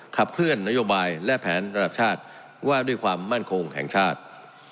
ขับเคลื่อนนโยบายและแผนระดับชาติว่าด้วยความมั่นคงแห่งชาติ